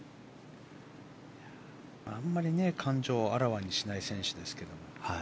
あまり感情をあらわにしない選手ですが。